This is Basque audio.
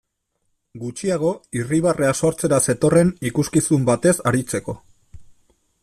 Gutxiago irribarrea sortzera zetorren ikuskizun batez aritzeko.